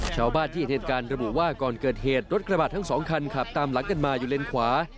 ชาวบ้านที่เหตุการณ์ระบุว่าก่อนเกิดเหตุรถกระบะทั้งสองคันขับตามหลังกันมาอยู่เลนขวา